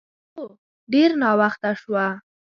هو، ډېر ناوخته شوه.